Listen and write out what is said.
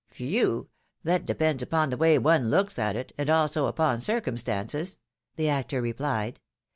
" Phew ! that depends upon the way one looks at it, and also upon circumstances,'^ the actor replied.